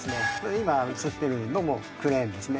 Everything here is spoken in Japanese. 今映っているのもクレーンですね